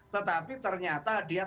tetapi ternyata dia